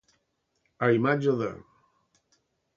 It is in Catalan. A imatge de.